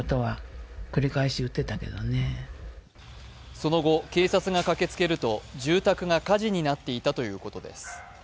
その後、警察が駆けつけると、住宅が火事になっていたということです。